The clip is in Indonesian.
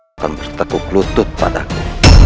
kau akan bertekuk lutut padaku